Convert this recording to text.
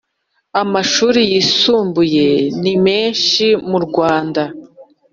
Amashuri yisumbuye nimeshi murwanda.